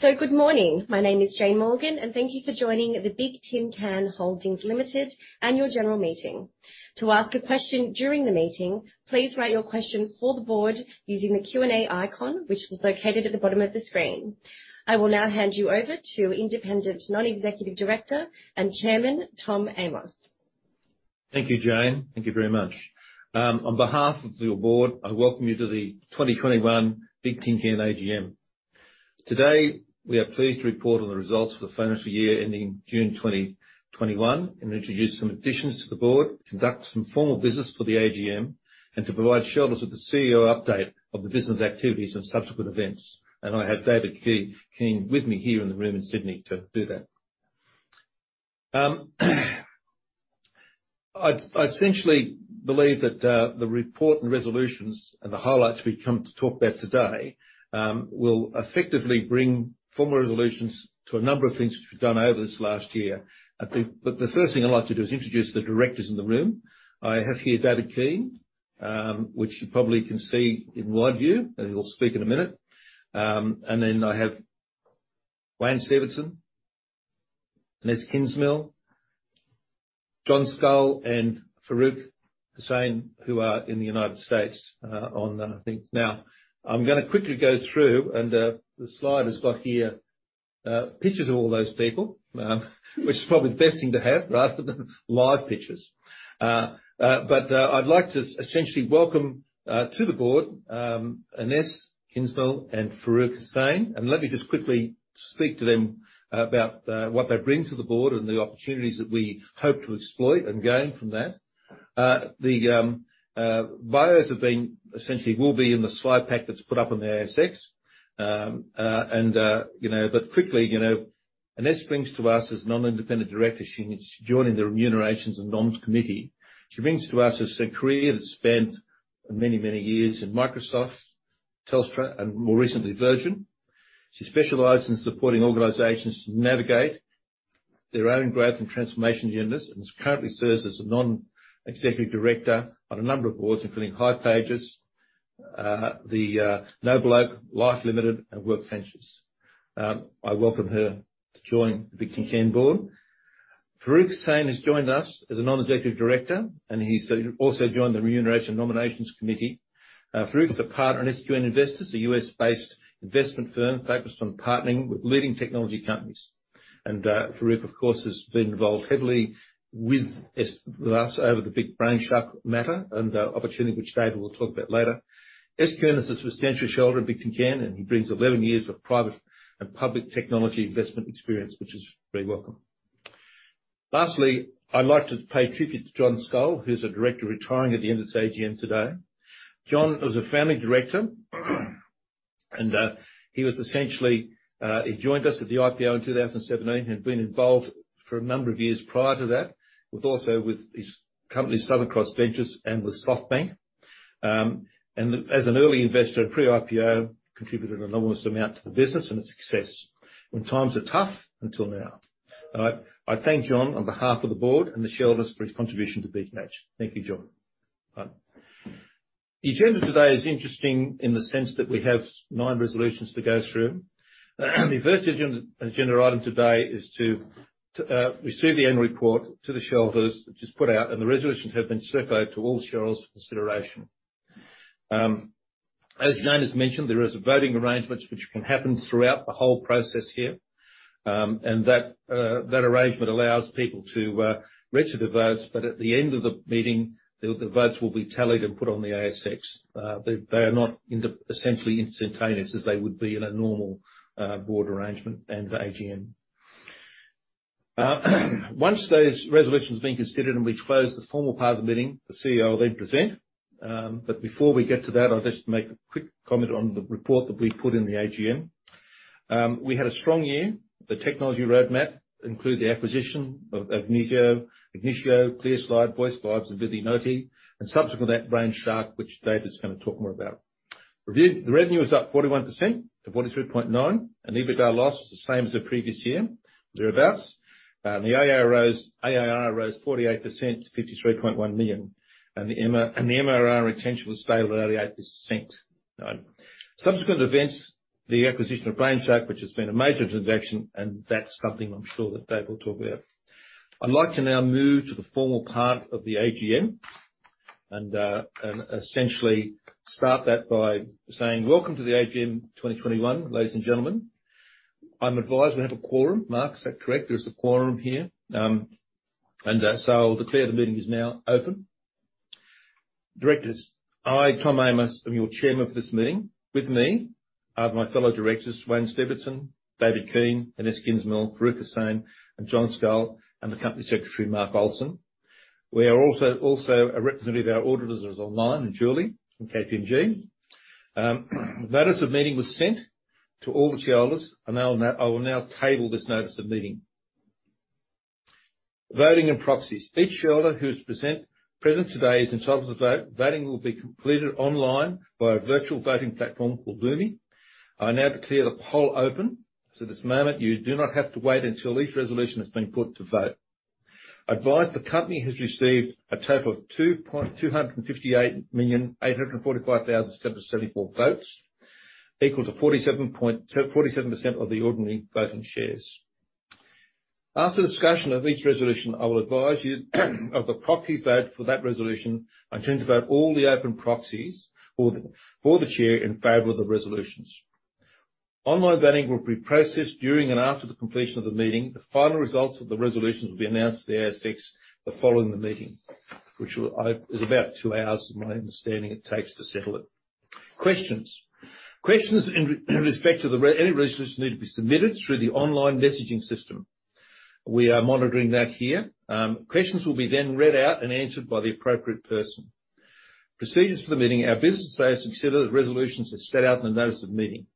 Good morning. My name is Jane Morgan, and thank you for joining the Bigtincan Holdings Limited Annual General Meeting. To ask a question during the meeting, please write your question for the board using the Q&A icon, which is located at the bottom of the screen. I will now hand you over to Independent Non-Executive Director and Chairman, Tom Amos. Thank you, Jane. Thank you very much. On behalf of your board, I welcome you to the 2021 Bigtincan AGM. Today, we are pleased to report on the results for the financial year ending June 2021, and introduce some additions to the board, conduct some formal business for the AGM, and to provide shareholders with the CEO update of the business activities and subsequent events. I have David Keane with me here in the room in Sydney to do that. I essentially believe that the report and resolutions and the highlights we've come to talk about today will effectively bring former resolutions to a number of things which we've done over this last year. The first thing I'd like to do is introduce the directors in the room. I have here David Keane, which you probably can see in wide view, and he will speak in a minute. Then I have Wayne Stevenson, Inese Kingsmill, John Scull, and Farouk Hussein, who are in the United States, on things. Now, I'm gonna quickly go through and the slide has got here pictures of all those people, which is probably the best thing to have rather than live pictures. I'd like to essentially welcome to the board Inese Kingsmill and Farouk Hussein, and let me just quickly speak to them about what they bring to the board and the opportunities that we hope to exploit and gain from that. The bios essentially will be in the slide pack that's put up on the ASX. You know, quickly, you know, Inese brings to us as independent non-executive director. She's joining the Remuneration and Nominations Committee. She brings to us a career that's spent many, many years in Microsoft, Telstra, and more recently, Virgin. She specializes in supporting organizations to navigate their own growth and transformation agendas, and currently serves as a Non-Executive Director on a number of boards, including hipages, the NobleOak Life Limited, and WorkVentures. I welcome her to join the Bigtincan board. Farouk Hussein has joined us as a Non-Executive Director, and he's also joined the Remuneration and Nominations Committee. Farouk is a partner in SQN Investors, a U.S.-based investment firm focused on partnering with leading technology companies. Farouk, of course, has been involved heavily with us over the big Brainshark matter and opportunity which David will talk about later. SQN is a substantial shareholder in Bigtincan, and he brings 11 years of private and public technology investment experience, which is very welcome. Lastly, I'd like to pay tribute to John Scull, who's a Director retiring at the end of this AGM today. John is a family director, and he was essentially he joined us at the IPO in 2017 and been involved for a number of years prior to that, with his company, Southern Cross Venture Partners, and with SoftBank. And as an early investor and pre-IPO, contributed an enormous amount to the business and its success when times are tough, until now. All right. I thank John on behalf of the board and the shareholders for his contribution to Bigtincan. Thank you, John. The agenda today is interesting in the sense that we have nine resolutions to go through. The first agenda item today is to receive the annual report to the shareholders, which is put out, and the resolutions have been circulated to all shareholders for consideration. As Jane has mentioned, there is voting arrangements which can happen throughout the whole process here, and that arrangement allows people to register the votes. At the end of the meeting, the votes will be tallied and put on the ASX. They are not essentially instantaneous as they would be in a normal board arrangement and AGM. Once those resolutions have been considered and we close the formal part of the meeting, the CEO will then present. Before we get to that, I'll just make a quick comment on the report that we put in the AGM. We had a strong year. The technology roadmap include the acquisition of Agnitio, ClearSlide, VoiceVibes, and Vidinoti, and subsequent to that, Brainshark, which David's gonna talk more about. The revenue was up 41% to 43.9 million, and EBITDA loss was the same as the previous year, thereabouts. The ARR rose 48% to 53.1 million, and the MRR retention was stable at 98%. Subsequent events, the acquisition of Brainshark, which has been a major transaction, and that's something I'm sure that Dave will talk about. I'd like to now move to the formal part of the AGM and essentially start that by saying welcome to the AGM 2021, ladies and gentlemen. I'm advised we have a quorum. Mark, is that correct? There's a quorum here. I'll declare the meeting is now open. Directors, I, Tom Amos, am your Chairman for this meeting. With me are my fellow directors, Wayne Stevenson, David Keane, Inese Kingsmill, Farouk Hussein, and John Scull, and the company Secretary, Mark Ohlsson. We are also a representative of our auditors online, Julie from KPMG. Notice of meeting was sent to all the shareholders, and I will now table this notice of meeting. Voting and proxies. Each shareholder who is present today is entitled to vote. Voting will be completed online by a virtual voting platform called Lumi. I now declare the poll open. So this moment, you do not have to wait until each resolution has been put to vote. Advise the company has received a total of 258,845,774 votes, equal to 47% of the ordinary voting shares. After discussion of each resolution, I will advise you of the proxies vote for that resolution and count about all the open proxies for the chair in favor of the resolutions. Online voting will be processed during and after the completion of the meeting. The final results of the resolutions will be announced to the ASX following the meeting, which will, is my understanding, take about two hours to settle it. Questions. Questions in respect to any resolutions need to be submitted through the online messaging system. We are monitoring that here. Questions will be then read out and answered by the appropriate person. Procedures for the meeting. Our business today is to consider the resolutions as set out in the notice of meeting.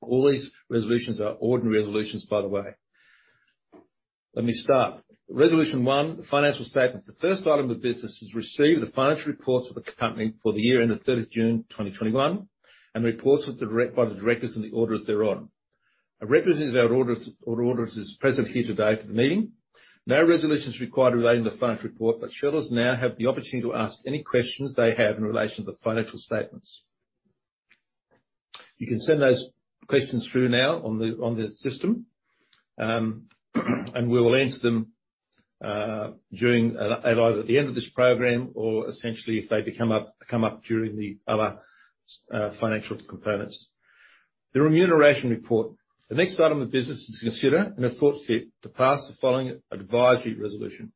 All these resolutions are ordinary resolutions, by the way. Let me start. Resolution one, the financial statements. The first item of business is to receive the financial reports of the company for the year ending June 3rd 2021, and reports by the directors and the auditors thereon. A representative of our auditors is present here today for the meeting. No resolution is required relating to the financial report, but shareholders now have the opportunity to ask any questions they have in relation to the financial statements. You can send those questions through now on the system, and we will answer them during at either the end of this program or essentially if they come up during the other financial components. The remuneration report. The next item of business is to consider and if thought fit, to pass the following advisory resolution.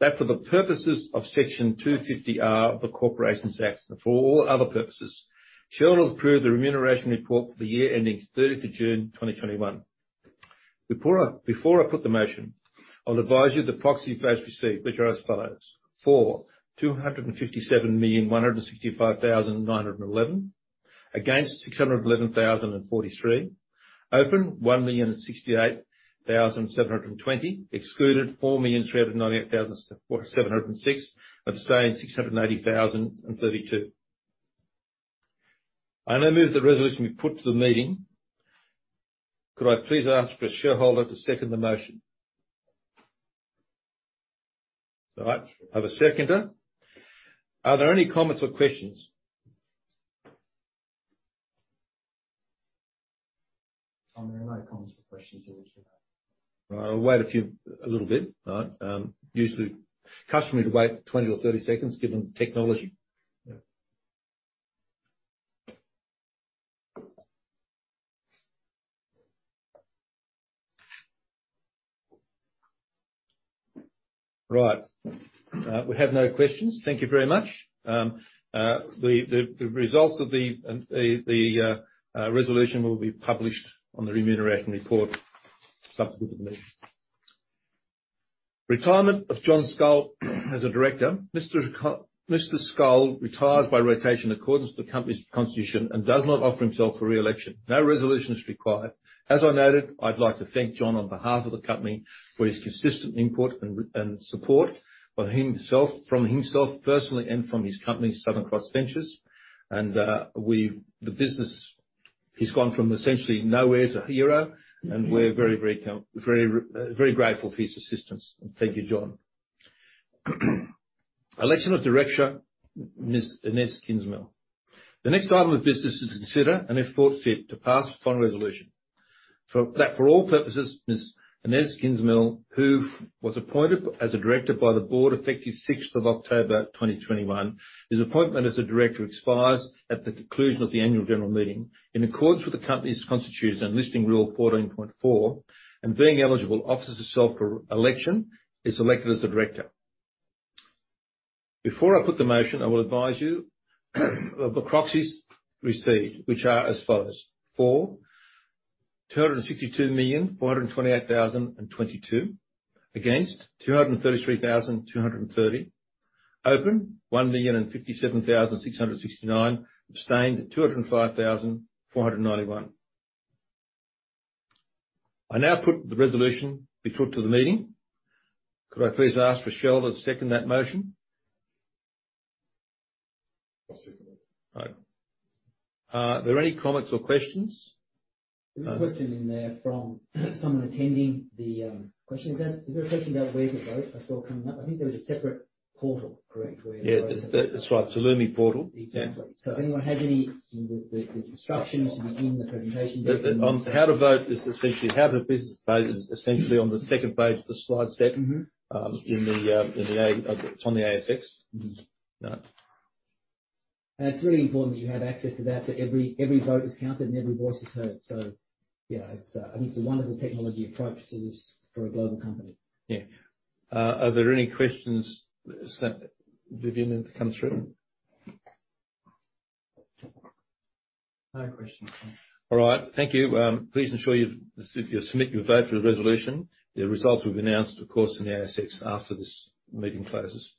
That for the purposes of Section 250R of the Corporations Act and for all other purposes, shareholders approve the remuneration report for the year ending 30th of June 2021. Before I put the motion, I'll advise you the proxy votes received, which are as follows. For, 257,165,911. Against, 611,043. Open, 1,068,720. Excluded, 4,398,706. Abstain, 680,032. I now move the resolution be put to the meeting. Could I please ask a shareholder to second the motion? All right. I have a seconder. Are there any comments or questions? Tom, there are no comments or questions. All right. I'll wait a few a little bit. All right. Usually customary to wait 20 or 30 seconds given the technology. Yeah. Right. We have no questions. Thank you very much. The results of the resolution will be published on the Remuneration Report subsequent to the meeting. Retirement of John Scull as a director. Mr. Scull retires by rotation in accordance to the company's constitution and does not offer himself for re-election. No resolution is required. As I noted, I'd like to thank John on behalf of the company for his consistent input and support from himself personally and from his company, Southern Cross Venture Partners. The business, he's gone from essentially nowhere to hero, and we're very grateful for his assistance. Thank you, John. Election of director, Ms. Inese Kingsmill. The next item of business is to consider and if thought fit, to pass the following resolution. For that, for all purposes, Ms. Inese Kingsmill, who was appointed as a director by the board effective 6th of October 2021, her appointment as a director expires at the conclusion of the Annual General Meeting. In accordance with the company's constitution and Listing Rule 14.4, and being eligible, offers herself for election as a director. Before I put the motion, I will advise you of the proxies received, which are as follows. For, 262,428,022. Against, 233,230. Open, 1,057,669. Abstain, 205,491. I now put the resolution to the meeting. Could I please ask a shareholder to second that motion? I'll second it. All right. Are there any comments or questions? There's a question in there from someone attending the. Is there a question about where to vote? I saw it coming up. I think there is a separate portal, correct? Where Yeah. It's right. It's a Lumi portal. Exactly. Yeah. The instructions should be in the presentation. How to vote is essentially on the second page of the slide set. Mm-hmm on the ASX. Mm-hmm. Yeah. It's really important that you have access to that, so every vote is counted and every voice is heard. Yeah, I think it's a wonderful technology approach to this for a global company. Yeah. Are there any questions that have been meant to come through? No questions. All right. Thank you. Please ensure you submit your vote for the resolution. The results will be announced, of course, in the ASX after this meeting closes.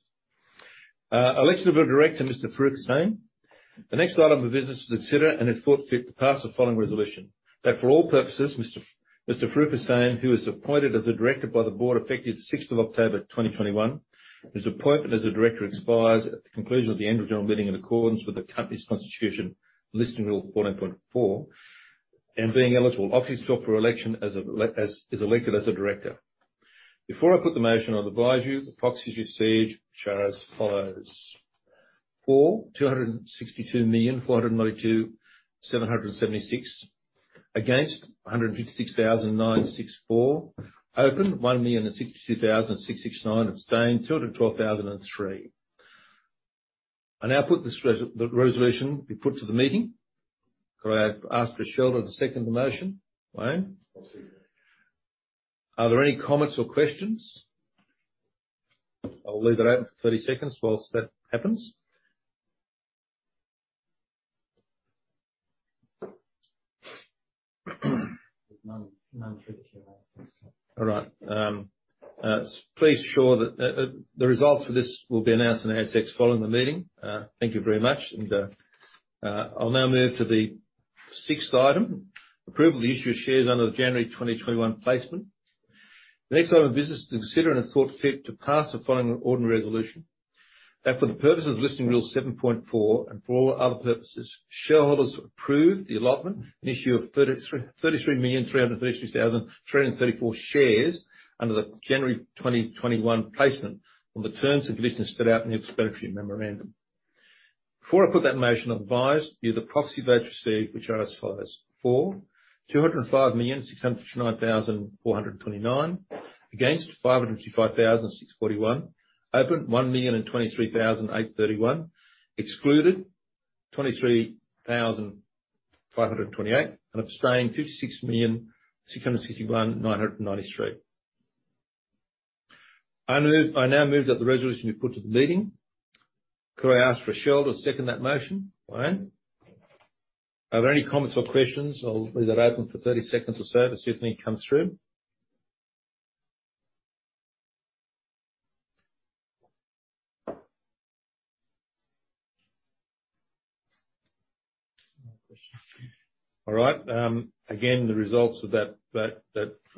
Election of a director, Mr. Farouk Hussein. The next item of business to consider and if thought fit, to pass the following resolution. That for all purposes, Mr. Farouk Hussein, who was appointed as a Director by the board effective 6th of October 2021. His appointment as a Director expires at the conclusion of the Annual General Meeting in accordance with the company's constitution, Listing Rule 14.4, and being eligible, offers himself for election as a Director. Before I put the motion, I'll advise you the proxies received, which are as follows: For, 262,492,776. Against, 156,964. For, 1,062,669. Abstain, 212,003. I now put the resolution to the meeting. Could I ask for a shareholder to second the motion? Wayne? I'll second. Are there any comments or questions? I'll leave it open for 30 seconds while that happens. There's none through here, I don't think so. All right. Please be sure that the results for this will be announced on the ASX following the meeting. Thank you very much. I'll now move to the sixth item, approval of the issue of shares under the January 2021 placement. The next item of business is to consider and if thought fit to pass the following ordinary resolution. That for the purposes of Listing Rule 7.4 and for all other purposes, shareholders approve the allotment and issue of 33,333,334 shares under the January 2021 placement on the terms and conditions set out in the explanatory memorandum. Before I put that motion on the floor, here are the proxy votes received, which are as follows: For, 205,659,429. Against, 555,641. Open, 1,023,831. Excluded, 23,528. Abstained, 56,661,993. I now move that the resolution be put to the meeting. Could I ask for a shareholder to second that motion? Wayne. Are there any comments or questions? I'll leave that open for 30 seconds or so to see if any comes through. No questions. All right. Again, the results of that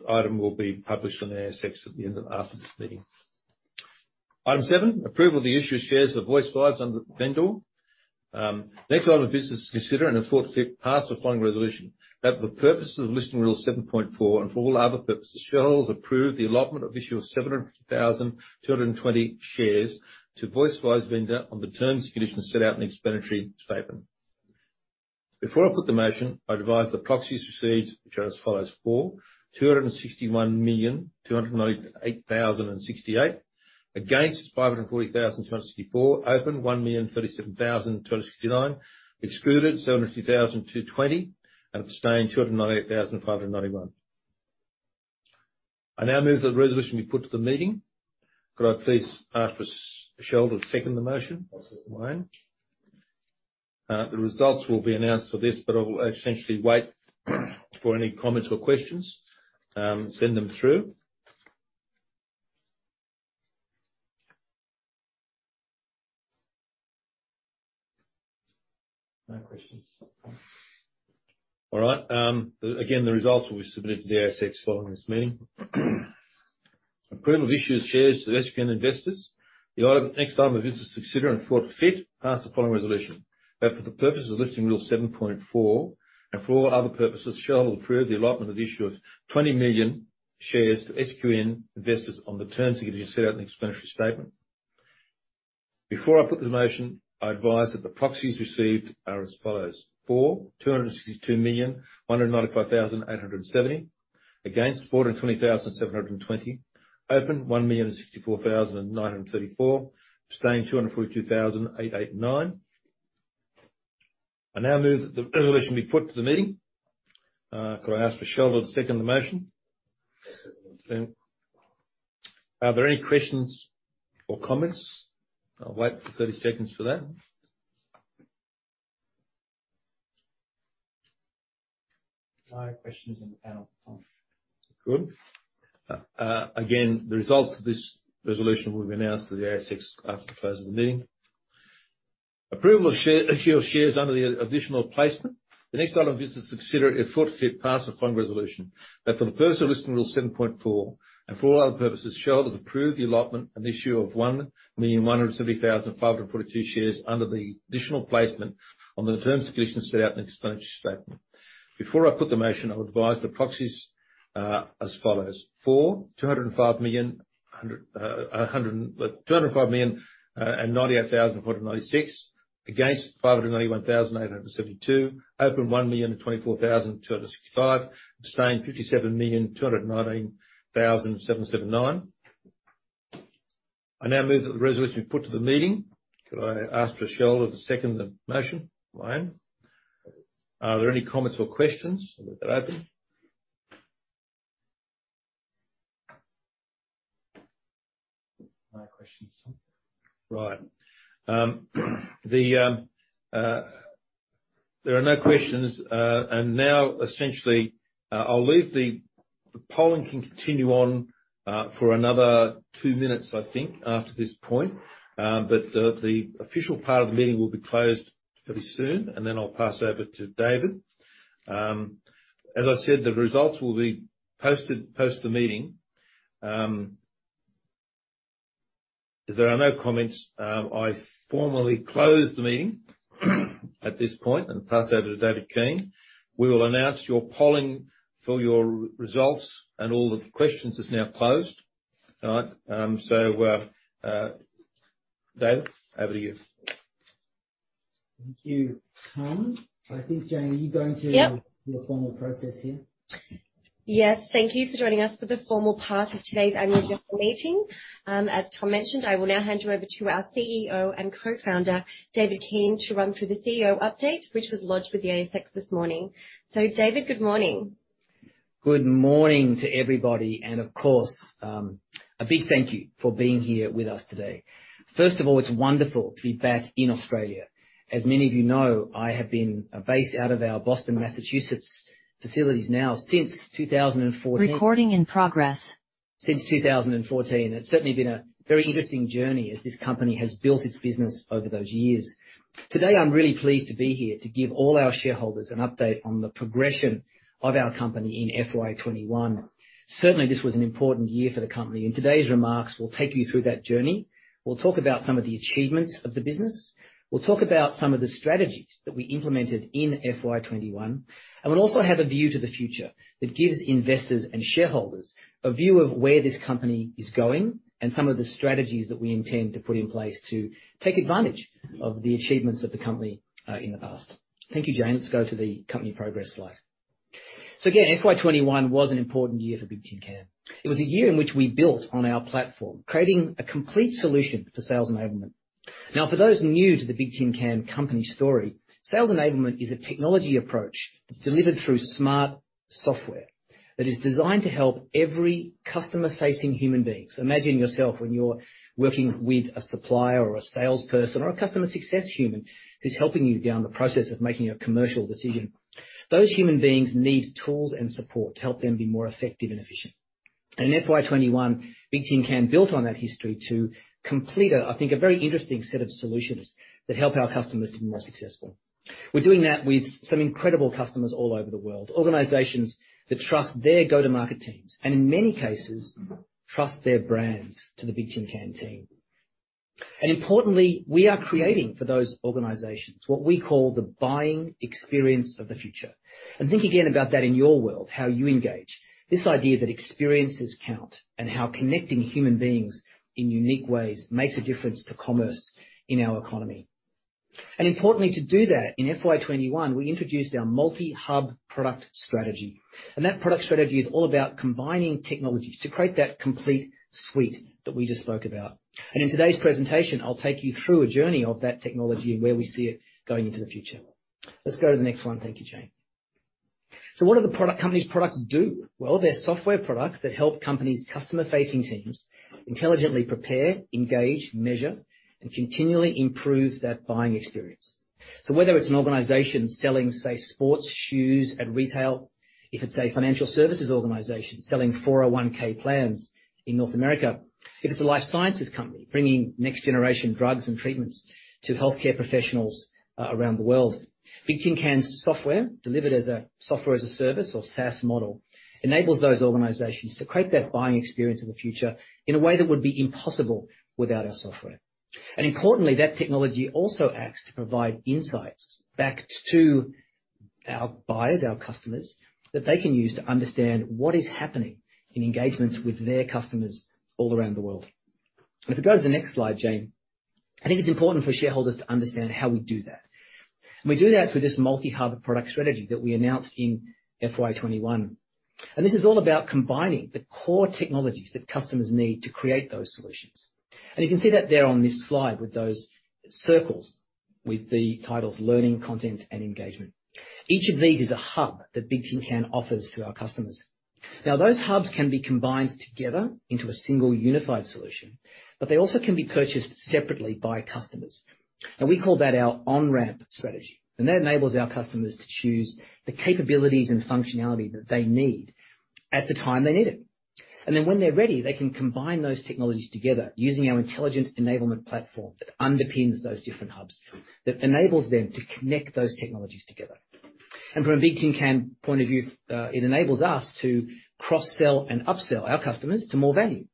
item will be published on the ASX after this meeting. Item seven: Approval of the issue of shares to VoiceVibes under the vendor. The next item of business to consider and if thought fit to pass the following resolution. That for the purposes of Listing Rule 7.4 and for all other purposes, shareholders approve the allotment of issue of 750,220 shares to VoiceVibes vendor on the terms and conditions set out in the explanatory statement. Before I put the motion, I advise the proxies received, which are as follows: For, 261,298,068. Against, 540,264. Open, 1,037,269. Excluded, 702,220. Abstained, 298,591. I now move that the resolution be put to the meeting. Could I please ask for a shareholder to second the motion? I'll second. The results will be announced for this, but I will essentially wait for any comments or questions. Send them through. No questions. All right. Again, the results will be submitted to the ASX following this meeting. Approval of issued shares to the SQN Investors. The next item of business to consider and, if thought fit, pass the following resolution. That for the purpose of Listing Rule 7.4 and for all other purposes, shareholders approve the allotment and issue of 20 million shares to SQN Investors on the terms and conditions set out in the explanatory statement. Before I put this motion, I advise that the proxies received are as follows: For, 262,195,870. Against, 420,720. Open, 1,064,934. Abstain, 242,889. I now move that the resolution be put to the meeting. Could I ask for a shareholder to second the motion? I second the motion. Thank you. Are there any questions or comments? I'll wait for 30 seconds for that. No questions in the panel, Tom. Good. Again, the results of this resolution will be announced to the ASX after the close of the meeting. Approval of share issue of shares under the additional placement. The next item of business to consider and, if thought fit, pass the following resolution. That for the purpose of Listing Rule 7.4 and for all other purposes, shareholders approve the allotment and issue of 1,175,542 shares under the additional placement on the terms and conditions set out in the explanatory statement. Before I put the motion, I'll advise the proxies as follows: For, 205,098,496. Against, 591,872. For, 1,024,265. Abstain, 57,219,779. I now move that the resolution be put to the meeting. Could I ask for a shareholder to second the motion? Wayne. Are there any comments or questions? I'll leave that open. No questions, Tom. Right. There are no questions. Now essentially, I'll leave the polling can continue on for another two minutes, I think, after this point. The official part of the meeting will be closed pretty soon, and then I'll pass over to David. As I said, the results will be posted post the meeting. If there are no comments, I formally close the meeting at this point and pass over to David Keane. We will announce your polling for your results and all the questions is now closed. All right. David, over to you. Thank you, Tom. I think, Jane, are you going to? Yep. Do the formal process here? Yes. Thank you for joining us for the formal part of today's Annual General Meeting. As Tom mentioned, I will now hand you over to our CEO and co-Founder, David Keane, to run through the CEO update, which was lodged with the ASX this morning. David, good morning. Good morning to everybody and of course, a big thank you for being here with us today. First of all, it's wonderful to be back in Australia. As many of you know, I have been based out of our Boston, Massachusetts, facilities now since 2014. Recording in progress. Since 2014. It's certainly been a very interesting journey as this company has built its business over those years. Today, I'm really pleased to be here to give all our shareholders an update on the progression of our company in FY 2021. Certainly, this was an important year for the company, and today's remarks will take you through that journey. We'll talk about some of the achievements of the business. We'll talk about some of the strategies that we implemented in FY 2021, and we'll also have a view to the future that gives investors and shareholders a view of where this company is going and some of the strategies that we intend to put in place to take advantage of the achievements of the company in the past. Thank you, Jane. Let's go to the company progress slide. Again, FY 2021 was an important year for Bigtincan. It was a year in which we built on our platform, creating a complete solution for sales enablement. Now, for those new to the Bigtincan company story, sales enablement is a technology approach that's delivered through smart software that is designed to help every customer-facing human being. Imagine yourself when you're working with a supplier, or a salesperson, or a customer success human who's helping you down the process of making a commercial decision. Those human beings need tools and support to help them be more effective and efficient. In FY 2021, Bigtincan built on that history to complete a, I think, a very interesting set of solutions that help our customers to be more successful. We're doing that with some incredible customers all over the world, organizations that trust their go-to-market teams, and in many cases, trust their brands to the Bigtincan team. Importantly, we are creating for those organizations what we call the buying experience of the future. Think again about that in your world, how you engage, this idea that experiences count and how connecting human beings in unique ways makes a difference to commerce in our economy. Importantly, to do that, in FY 2021, we introduced our multi-hub product strategy, and that product strategy is all about combining technologies to create that complete suite that we just spoke about. In today's presentation, I'll take you through a journey of that technology and where we see it going into the future. Let's go to the next one. Thank you, Jane. So what do the company's products do? Well, they're software products that help companies' customer-facing teams intelligently prepare, engage, measure, and continually improve that buying experience. Whether it's an organization selling, say, sports shoes at retail, if it's a financial services organization selling 401(k) plans in North America, if it's a life sciences company bringing next-generation drugs and treatments to healthcare professionals around the world, Bigtincan's software, delivered as a software as a service or SaaS model, enables those organizations to create that buying experience of the future in a way that would be impossible without our software. Importantly, that technology also acts to provide insights back to our buyers, our customers, that they can use to understand what is happening in engagements with their customers all around the world. If we go to the next slide, Jane, I think it's important for shareholders to understand how we do that. We do that through this multi-hub product strategy that we announced in FY 2021. This is all about combining the core technologies that customers need to create those solutions. You can see that there on this slide with those circles, with the titles Learning, Content, and Engagement. Each of these is a hub that Bigtincan offers to our customers. Now, those hubs can be combined together into a single unified solution, but they also can be purchased separately by customers. We call that our on-ramp strategy. That enables our customers to choose the capabilities and functionality that they need at the time they need it. Then when they're ready, they can combine those technologies together using our intelligent enablement platform that underpins those different hubs, that enables them to connect those technologies together. From a Bigtincan point of view, it enables us to cross-sell and upsell our customers to more value.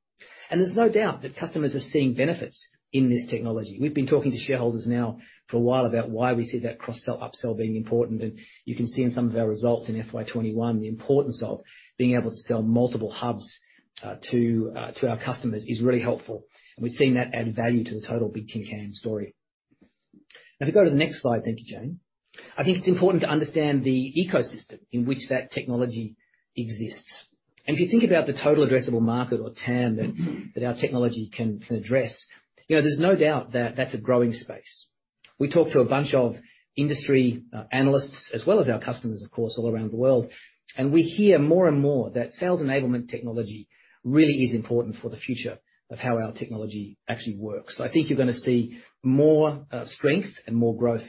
There's no doubt that customers are seeing benefits in this technology. We've been talking to shareholders now for a while about why we see that cross-sell, upsell being important, and you can see in some of our results in FY 2021 the importance of being able to sell multiple hubs to our customers is really helpful, and we've seen that add value to the total Bigtincan story. Now if we go to the next slide. Thank you, Jane. I think it's important to understand the ecosystem in which that technology exists. If you think about the total addressable market or TAM that our technology can address, you know, there's no doubt that that's a growing space. We talk to a bunch of industry analysts, as well as our customers, of course, all around the world, and we hear more and more that sales enablement technology really is important for the future of how our technology actually works. I think you're gonna see more strength and more growth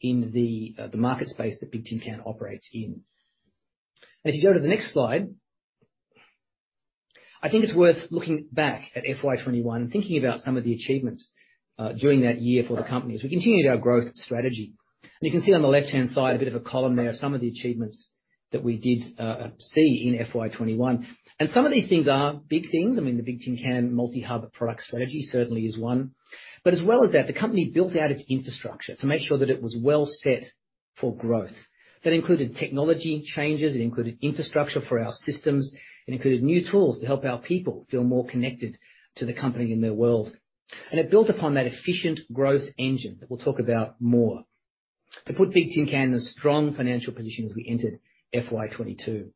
in the market space that Bigtincan operates in. If you go to the next slide. I think it's worth looking back at FY 2021, thinking about some of the achievements during that year for the company as we continued our growth strategy. You can see on the left-hand side a bit of a column there of some of the achievements that we did see in FY 2021. Some of these things are big things. I mean, the Bigtincan multi-hub product strategy certainly is one. As well as that, the company built out its infrastructure to make sure that it was well set for growth. That included technology changes. It included infrastructure for our systems. It included new tools to help our people feel more connected to the company and their world. It built upon that efficient growth engine that we'll talk about more. It put Bigtincan in a strong financial position as we entered FY 2022.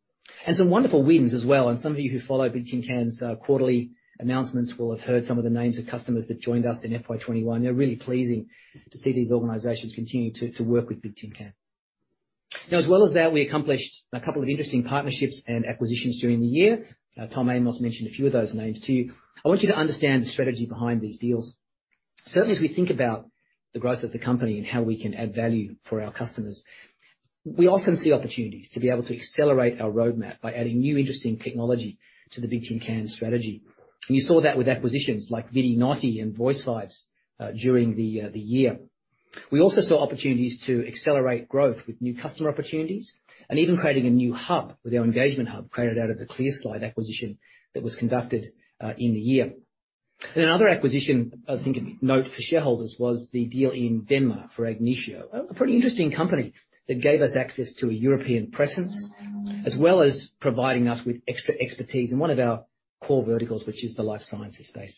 Some wonderful wins as well. Some of you who follow Bigtincan's quarterly announcements will have heard some of the names of customers that joined us in FY 2021. They're really pleasing to see these organizations continue to work with Bigtincan. Now, as well as that, we accomplished a couple of interesting partnerships and acquisitions during the year. Tom Amos mentioned a few of those names to you. I want you to understand the strategy behind these deals. Certainly, as we think about the growth of the company and how we can add value for our customers, we often see opportunities to be able to accelerate our roadmap by adding new interesting technology to the Bigtincan strategy. You saw that with acquisitions like Vidinoti and VoiceVibes during the year. We also saw opportunities to accelerate growth with new customer opportunities and even creating a new hub with our Engagement Hub created out of the ClearSlide acquisition that was conducted in the year. Another acquisition I think of note for shareholders was the deal in Denmark for Agnitio, a pretty interesting company that gave us access to a European presence, as well as providing us with extra expertise in one of our core verticals, which is the life sciences space.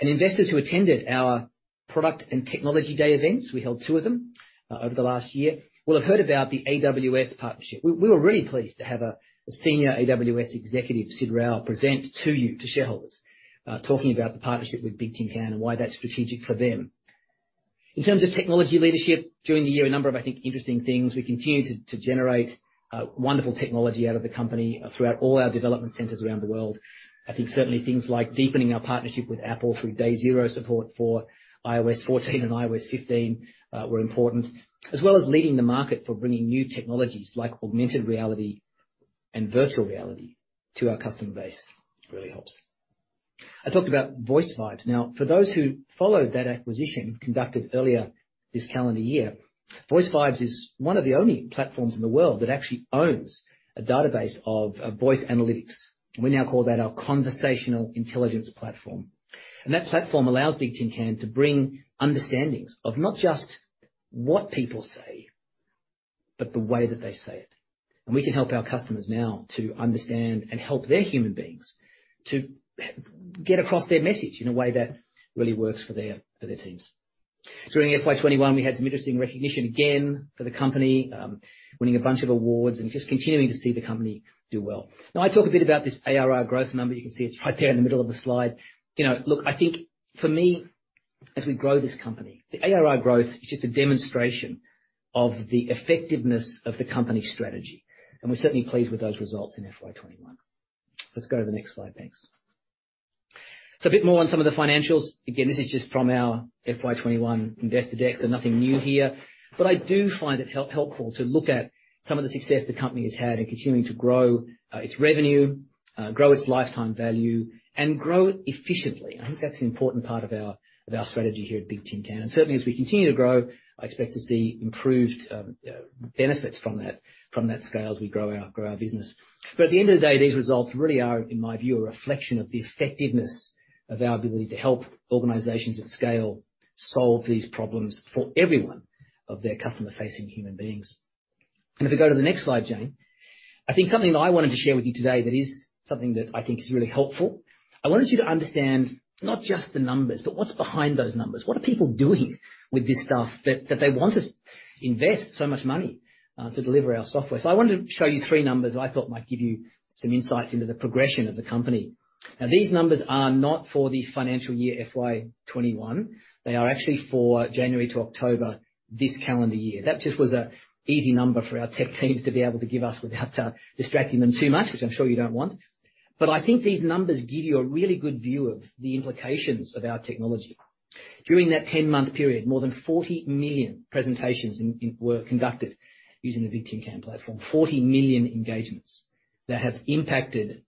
Investors who attended our product and technology day events, we held two of them over the last year, will have heard about the AWS partnership. We were really pleased to have a senior AWS executive, Sid Rao, present to you, to shareholders, talking about the partnership with Bigtincan and why that's strategic for them. In terms of technology leadership, during the year, a number of, I think, interesting things. We continued to generate wonderful technology out of the company throughout all our development centers around the world. I think certainly things like deepening our partnership with Apple through day zero support for iOS 14 and iOS 15 were important, as well as leading the market for bringing new technologies like augmented reality and virtual reality to our customer base really helps. I talked about VoiceVibes. Now, for those who followed that acquisition conducted earlier this calendar year, VoiceVibes is one of the only platforms in the world that actually owns a database of voice analytics. We now call that our conversational intelligence platform. That platform allows Bigtincan to bring understandings of not just what people say, but the way that they say it. We can help our customers now to understand and help their human beings to get across their message in a way that really works for their teams. During FY 2021, we had some interesting recognition again for the company, winning a bunch of awards and just continuing to see the company do well. Now, I talk a bit about this ARR growth number. You can see it's right there in the middle of the slide. You know, look, I think for me, as we grow this company, the ARR growth is just a demonstration of the effectiveness of the company strategy, and we're certainly pleased with those results in FY 2021. Let's go to the next slide. Thanks. So a bit more on some of the financials. Again, this is just from our FY 2021 investor deck, so nothing new here. But I do find it helpful to look at some of the success the company has had in continuing to grow its revenue, grow its lifetime value, and grow it efficiently. I think that's an important part of our strategy here at Bigtincan. Certainly, as we continue to grow, I expect to see improved benefits from that scale as we grow our business. At the end of the day, these results really are, in my view, a reflection of the effectiveness of our ability to help organizations of scale solve these problems for every one of their customer-facing human beings. If we go to the next slide, Jane, I think something that I wanted to share with you today that is something that I think is really helpful. I wanted you to understand not just the numbers, but what's behind those numbers. What are people doing with this stuff that they want to invest so much money to deliver our software? I wanted to show you three numbers that I thought might give you some insights into the progression of the company. Now, these numbers are not for the financial year FY 2021. They are actually for January to October this calendar year. That just was an easy number for our tech teams to be able to give us without distracting them too much, which I'm sure you don't want. I think these numbers give you a really good view of the implications of our technology. During that 10-month period, more than 40 million presentations were conducted using the Bigtincan platform. 40 million engagements that have impacted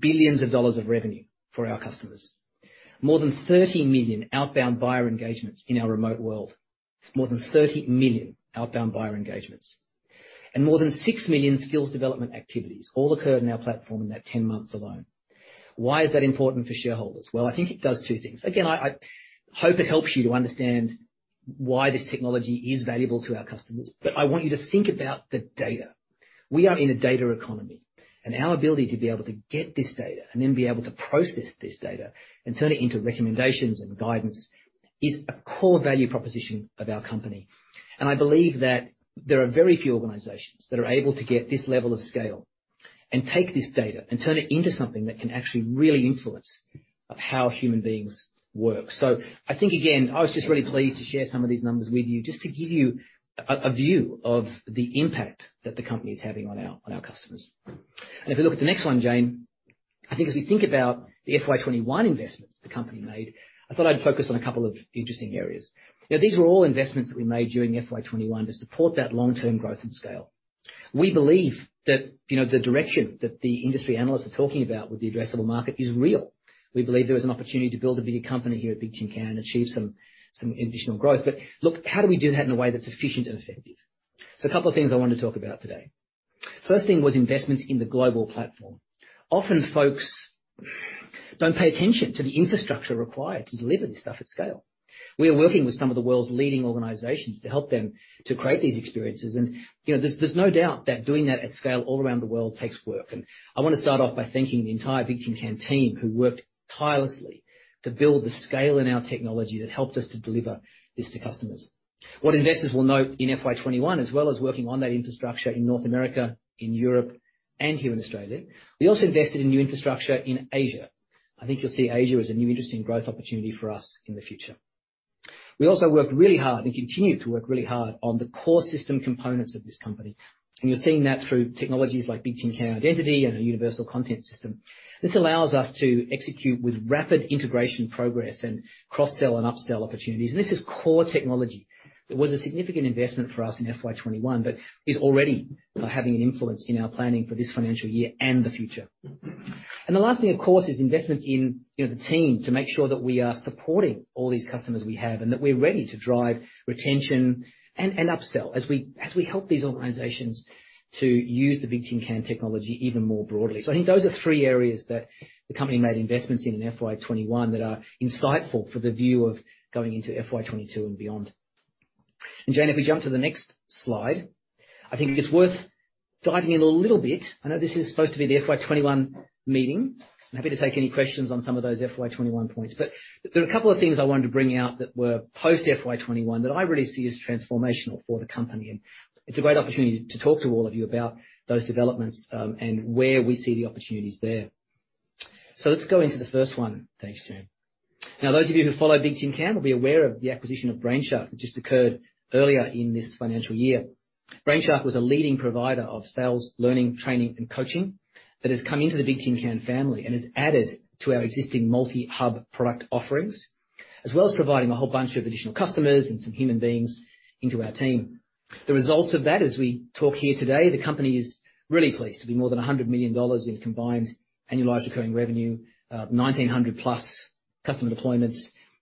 billions of dollars of revenue for our customers. More than 30 million outbound buyer engagements in our remote world. More than 6 million skills development activities all occurred in our platform in that 10 months alone. Why is that important for shareholders? Well, I think it does two things. Again, I hope it helps you to understand why this technology is valuable to our customers. I want you to think about the data. We are in a data economy, and our ability to be able to get this data and then be able to process this data and turn it into recommendations and guidance is a core value proposition of our company. I believe that there are very few organizations that are able to get this level of scale and take this data and turn it into something that can actually really influence of how human beings work. I think, again, I was just really pleased to share some of these numbers with you just to give you a view of the impact that the company is having on our, on our customers. If we look at the next one, Jane, I think if you think about the FY 2021 investments the company made, I thought I'd focus on a couple of interesting areas. Now, these were all investments that we made during FY 2021 to support that long-term growth and scale. We believe that, you know, the direction that the industry analysts are talking about with the addressable market is real. We believe there is an opportunity to build a bigger company here at Bigtincan and achieve some additional growth. But look, how do we do that in a way that's efficient and effective? A couple of things I wanted to talk about today. First thing was investments in the global platform. Often, folks don't pay attention to the infrastructure required to deliver this stuff at scale. We are working with some of the world's leading organizations to help them to create these experiences. You know, there's no doubt that doing that at scale all around the world takes work. I wanna start off by thanking the entire Bigtincan team who worked tirelessly to build the scale in our technology that helped us to deliver this to customers. What investors will note in FY 2021, as well as working on that infrastructure in North America, in Europe, and here in Australia, we also invested in new infrastructure in Asia. I think you'll see Asia as a new interesting growth opportunity for us in the future. We also worked really hard and continue to work really hard on the core system components of this company. You're seeing that through technologies like Bigtincan Identity and our universal content system. This allows us to execute with rapid integration progress and cross-sell and upsell opportunities. This is core technology that was a significant investment for us in FY 2021, but is already having an influence in our planning for this financial year and the future. The last thing, of course, is investments in, you know, the team to make sure that we are supporting all these customers we have and that we're ready to drive retention and upsell as we help these organizations to use the Bigtincan technology even more broadly. I think those are three areas that the company made investments in in FY 2021 that are insightful for the view of going into FY 2022 and beyond. Jane, if we jump to the next slide, I think it's worth diving in a little bit. I know this is supposed to be the FY 2021 meeting. I'm happy to take any questions on some of those FY 2021 points. There are a couple of things I wanted to bring out that were post FY 2021 that I really see as transformational for the company. It's a great opportunity to talk to all of you about those developments, and where we see the opportunities there. Let's go into the first one. Thanks, Jane. Now, those of you who follow Bigtincan will be aware of the acquisition of Brainshark that just occurred earlier in this financial year. Brainshark was a leading provider of sales, learning, training, and coaching that has come into the Bigtincan family and has added to our existing multi-hub product offerings, as well as providing a whole bunch of additional customers and some human beings into our team. The results of that, as we talk here today, the company is really pleased to be more than $100 million in combined annualized recurring revenue, 1,900+ customer deployments,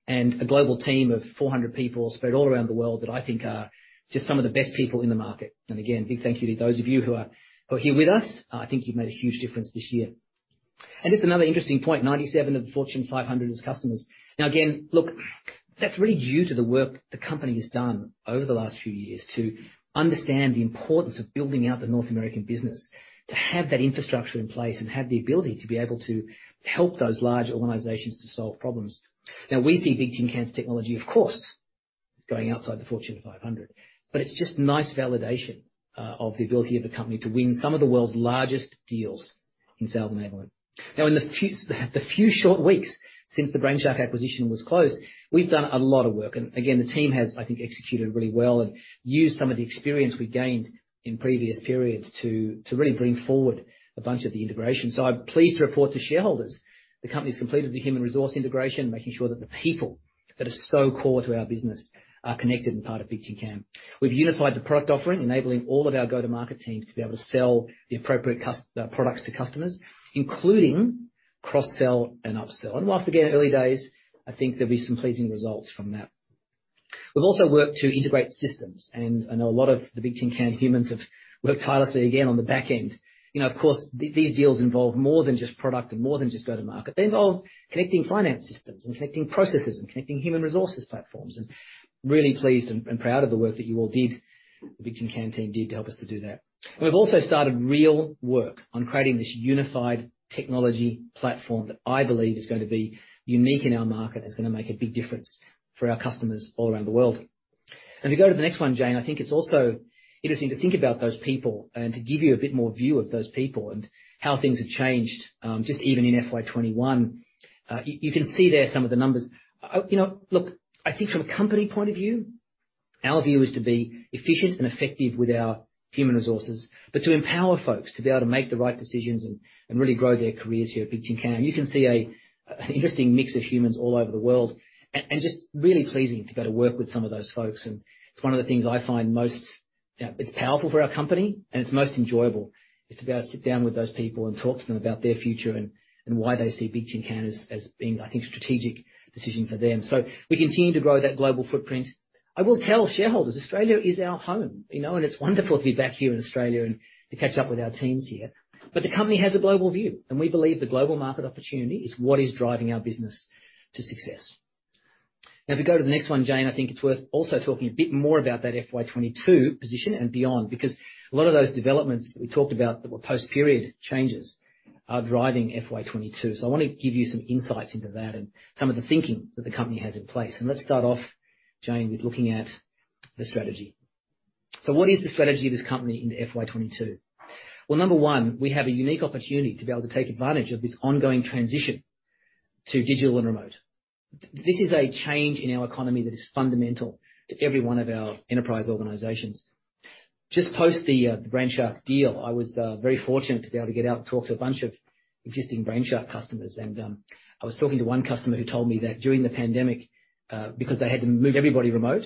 and a global team of 400 people spread all around the world that I think are just some of the best people in the market. Again, big thank you to those of you who are here with us. I think you've made a huge difference this year. Just another interesting point, 97 of the Fortune 500 as customers. Now again, look, that's really due to the work the company has done over the last few years to understand the importance of building out the North American business, to have that infrastructure in place and have the ability to be able to help those large organizations to solve problems. Now, we see Bigtincan's technology, of course, going outside the Fortune 500, but it's just nice validation of the ability of the company to win some of the world's largest deals in sales enablement. Now in the few short weeks since the Brainshark acquisition was closed, we've done a lot of work. Again, the team has, I think, executed really well and used some of the experience we gained in previous periods to really bring forward a bunch of the integration. I'm pleased to report to shareholders the company's completed the human resource integration, making sure that the people that are so core to our business are connected and part of Bigtincan. We've unified the product offering, enabling all of our go-to-market teams to be able to sell the appropriate products to customers, including cross-sell and upsell. While, again, early days, I think there'll be some pleasing results from that. We've also worked to integrate systems, and I know a lot of the Bigtincan humans have worked tirelessly again on the back end. You know, of course, these deals involve more than just product and more than just go to market. They involve connecting finance systems and connecting processes and connecting human resources platforms, and really pleased and proud of the work that you all did, the Bigtincan team did to help us to do that. We've also started real work on creating this unified technology platform that I believe is going to be unique in our market and it's gonna make a big difference for our customers all around the world. If you go to the next one, Jane, I think it's also interesting to think about those people and to give you a bit more view of those people and how things have changed, just even in FY 2021. You can see there some of the numbers. You know, look, I think from a company point of view, our view is to be efficient and effective with our human resources, but to empower folks to be able to make the right decisions and really grow their careers here at Bigtincan. You can see an interesting mix of humans all over the world and just really pleasing to be able to work with some of those folks. It's one of the things I find most, you know, it's powerful for our company and it's most enjoyable, is to be able to sit down with those people and talk to them about their future and why they see Bigtincan as being, I think, a strategic decision for them. We continue to grow that global footprint. I will tell shareholders, Australia is our home, you know, and it's wonderful to be back here in Australia and to catch up with our teams here. The company has a global view, and we believe the global market opportunity is what is driving our business to success. Now, if we go to the next one, Jane, I think it's worth also talking a bit more about that FY 2022 position and beyond because a lot of those developments that we talked about that were post-period changes are driving FY 2022. I want to give you some insights into that and some of the thinking that the company has in place. Let's start off, Jane, with looking at the strategy. What is the strategy of this company into FY 2022? Well, number one, we have a unique opportunity to be able to take advantage of this ongoing transition to digital and remote. This is a change in our economy that is fundamental to every one of our enterprise organizations. Just post the Brainshark deal, I was very fortunate to be able to get out and talk to a bunch of existing Brainshark customers. I was talking to one customer who told me that during the pandemic, because they had to move everybody remote,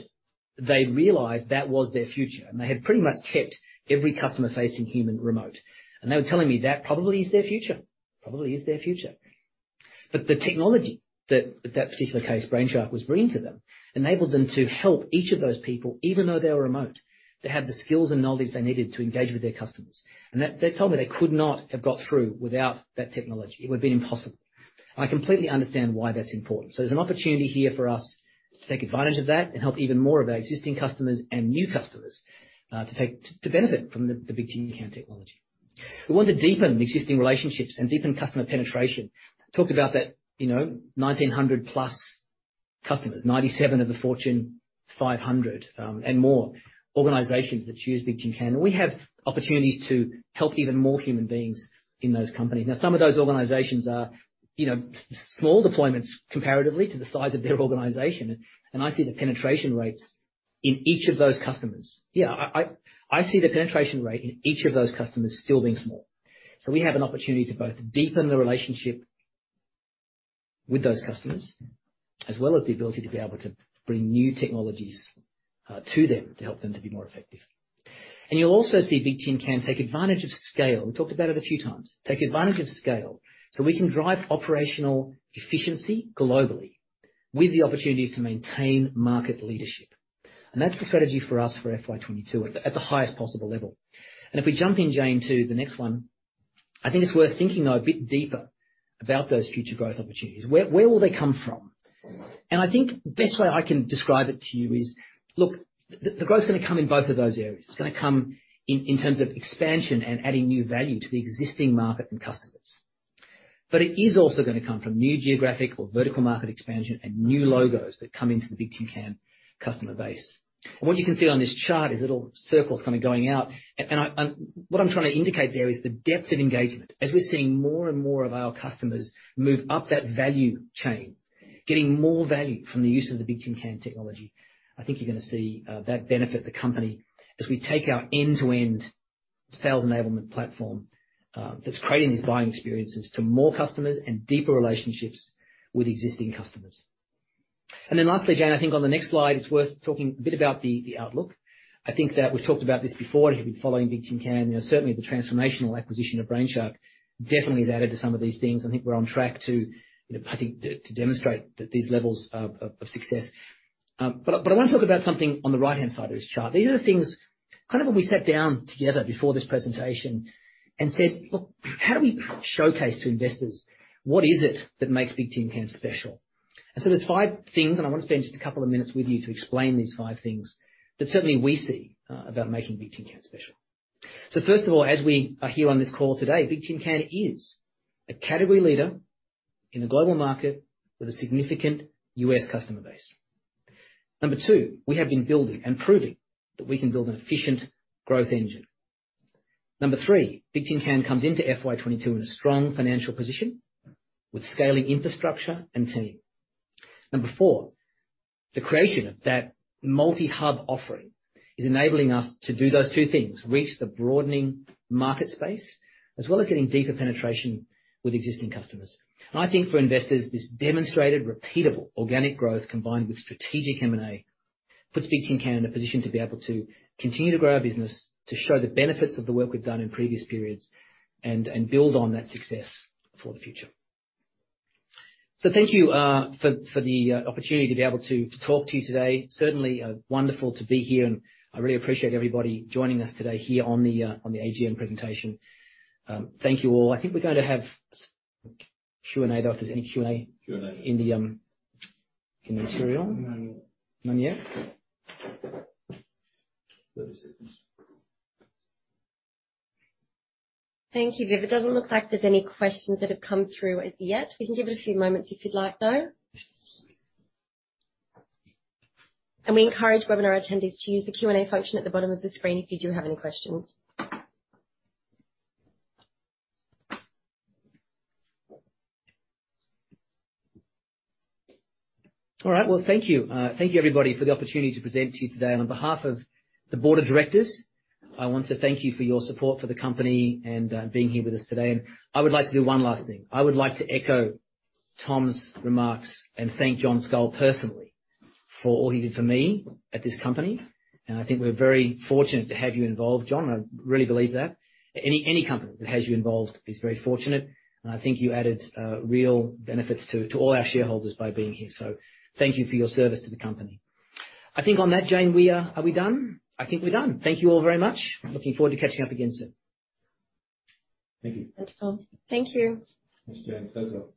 they'd realized that was their future. They had pretty much kept every customer-facing human remote. They were telling me that probably is their future. The technology that particular case Brainshark was bringing to them enabled them to help each of those people, even though they were remote, to have the skills and knowledge they needed to engage with their customers. They told me they could not have got through without that technology. It would have been impossible. I completely understand why that's important. There's an opportunity here for us to take advantage of that and help even more of our existing customers and new customers to benefit from the Bigtincan technology. We want to deepen existing relationships and deepen customer penetration. Talked about that, you know, 1,900+ customers, 97 of the Fortune 500, and more organizations that choose Bigtincan. We have opportunities to help even more human beings in those companies. Now, some of those organizations are, you know, small deployments comparatively to the size of their organization. I see the penetration rates in each of those customers. Yeah, I see the penetration rate in each of those customers still being small. We have an opportunity to both deepen the relationship with those customers, as well as the ability to be able to bring new technologies to them to help them to be more effective. You'll also see Bigtincan take advantage of scale. We talked about it a few times. Take advantage of scale, so we can drive operational efficiency globally with the opportunities to maintain market leadership. That's the strategy for us for FY 2022 at the highest possible level. If we jump in, Jane, to the next one, I think it's worth thinking, though, a bit deeper about those future growth opportunities. Where will they come from? I think the best way I can describe it to you is, look, the growth is gonna come in both of those areas. It's gonna come in terms of expansion and adding new value to the existing market and customers. But it is also gonna come from new geographic or vertical market expansion and new logos that come into the Bigtincan customer base. What you can see on this chart is little circles kind of going out. What I'm trying to indicate there is the depth of engagement. As we're seeing more and more of our customers move up that value chain, getting more value from the use of the Bigtincan technology, I think you're gonna see that benefit the company as we take our end-to-end sales enablement platform that's creating these buying experiences to more customers and deeper relationships with existing customers. Then lastly, Jane, I think on the next slide, it's worth talking a bit about the outlook. I think that we've talked about this before and have been following Bigtincan. You know, certainly the transformational acquisition of Brainshark definitely has added to some of these things. I think we're on track to, you know, I think to demonstrate that these levels of success. I wanna talk about something on the right-hand side of this chart. These are the things kind of when we sat down together before this presentation and said, "Look, how do we showcase to investors what is it that makes Bigtincan special?" There's five things, and I want to spend just a couple of minutes with you to explain these five things that certainly we see about making Bigtincan special. First of all, as we are here on this call today, Bigtincan is a category leader in the global market with a significant U.S. customer base. Number two, we have been building and proving that we can build an efficient growth engine. Number three, Bigtincan comes into FY 2022 in a strong financial position with scaling infrastructure and team. Number four, the creation of that multi-hub offering is enabling us to do those two things, reach the broadening market space, as well as getting deeper penetration with existing customers. I think for investors, this demonstrated repeatable organic growth combined with strategic M&A puts Bigtincan in a position to be able to continue to grow our business, to show the benefits of the work we've done in previous periods and build on that success for the future. Thank you for the opportunity to be able to talk to you today. Certainly wonderful to be here, and I really appreciate everybody joining us today here on the AGM presentation. Thank you all. I think we're going to have Q&A, though, if there's any Q&A. Q&A In the material. None. None yet? 30 seconds. Thank you, Viv. It doesn't look like there's any questions that have come through as yet. We can give it a few moments if you'd like, though. We encourage webinar attendees to use the Q&A function at the bottom of the screen if you do have any questions. All right. Well, thank you. Thank you everybody for the opportunity to present to you today. On behalf of the Board of Directors, I want to thank you for your support for the company and being here with us today. I would like to do one last thing. I would like to echo Tom's remarks and thank John Scull personally for all he did for me at this company. I think we're very fortunate to have you involved, John. I really believe that. Any company that has you involved is very fortunate, and I think you added real benefits to all our shareholders by being here. Thank you for your service to the company. I think on that, Jane, we are. Are we done? I think we're done. Thank you all very much. Looking forward to catching up again soon. Thank you. Thanks, Tom. Thank you. Thanks, Jane. Thanks all.